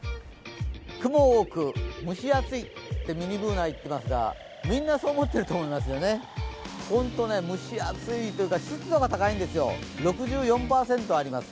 雲多く、蒸し暑いとミニＢｏｏｎａは言っていますがみんなそう思っていると思いますよね、本当ね、蒸し暑いというか湿度が高いんですよ、６４％あります。